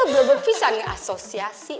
berbebis an asosiasi